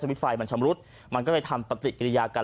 มีไฟมันชำรุดมันก็เลยทำปฏิกิริยากัน